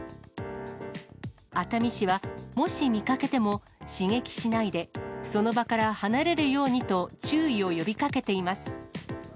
熱海市は、もし見かけても、刺激しないで、その場から離れるようにと注意を呼びかけています。